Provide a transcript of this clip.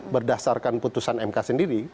berdasarkan putusan mk sendiri